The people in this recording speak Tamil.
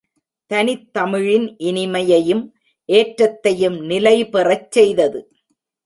தனித்தமிழின் இனிமை யையும் ஏற்றத்தையும் நிலைபெறச் செய்தது.